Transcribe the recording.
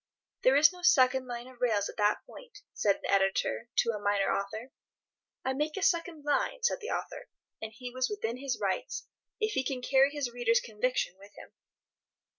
"There is no second line of rails at that point," said an editor to a minor author. "I make a second line," said the author; and he was within his rights, if he can carry his readers' conviction with him.